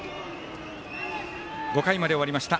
５回まで終わりました。